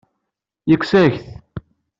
Yekkes-ak-t.